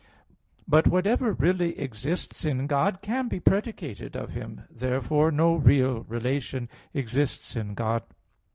But whatever really exists in God can be predicated of Him. Therefore no real relation exists in God.